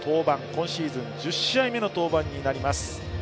今シーズン１０試合目の登板です。